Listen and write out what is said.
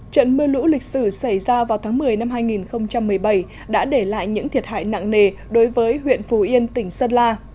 trận mưa lũ lịch sử xảy ra vào tháng một mươi năm hai nghìn một mươi bảy đã để lại những thiệt hại nặng nề đối với huyện phù yên tỉnh sơn la